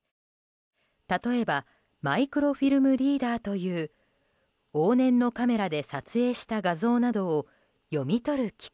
例えばマイクロフィルムリーダーという往年のカメラで撮影した画像などを読み取る機械。